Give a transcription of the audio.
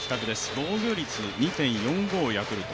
防御率２．４５、ヤクルト。